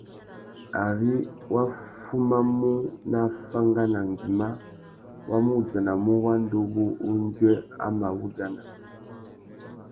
Ari wá fumamú nà afánganangüima, wá mù udjanamú wanda uwú undjuê a mà wu udjana.